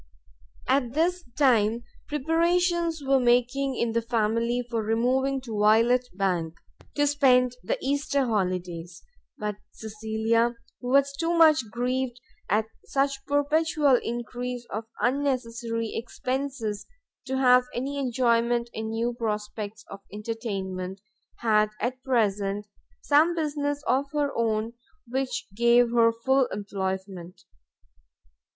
At this time, preparations were making in the family for removing to Violet bank to spend the Easter holidays: but Cecilia, who was too much grieved at such perpetual encrease of unnecessary expences to have any enjoyment in new prospects of entertainment, had at present some business of her own which gave her full employment.